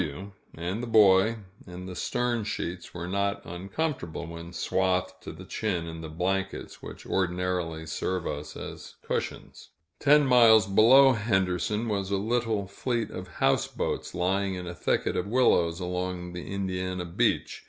W and the Boy, in the stern sheets, were not uncomfortable when swathed to the chin in the blankets which ordinarily serve us as cushions. Ten miles below Henderson, was a little fleet of houseboats, lying in a thicket of willows along the Indiana beach.